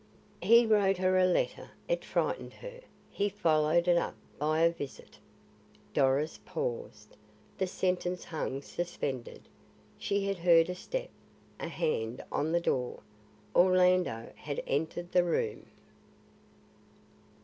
"He wrote her a letter; it frightened her. He followed it up by a visit " Doris paused; the sentence hung suspended. She had heard a step a hand on the door. Orlando had entered the room.